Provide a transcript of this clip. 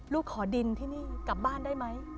ขอดินที่นี่กลับบ้านได้ไหม